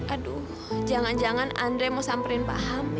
aduh jangan jangan andri mau samperin pak hamid